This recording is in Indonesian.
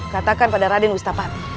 katakan pada raden wustafati